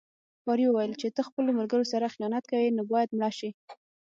ښکاري وویل چې ته خپلو ملګرو سره خیانت کوې نو باید مړه شې.